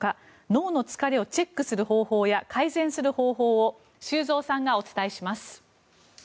脳の疲れをチェックする方法や改善する方法を修造さんがお伝えします。